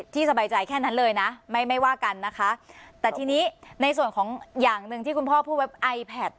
สบายใจแค่นั้นเลยนะไม่ไม่ว่ากันนะคะแต่ทีนี้ในส่วนของอย่างหนึ่งที่คุณพ่อพูดไว้ไอแพท